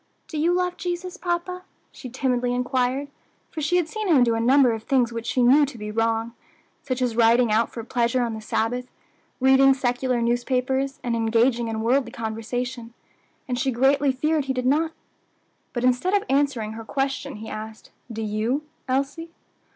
Do you love Jesus, papa?" she timidly inquired, for she had seen him do a number of things which she knew to be wrong such as riding out for pleasure on the Sabbath, reading secular newspapers, and engaging in worldly conversation and she greatly feared he did not. But instead of answering her question, he asked, "Do you, Elsie?"